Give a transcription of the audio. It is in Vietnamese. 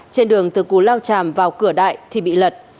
trên đường từ cù lao tràm vào cửa đại thì bị lật